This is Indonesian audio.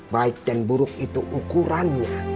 baik dan buruk itu ukurannya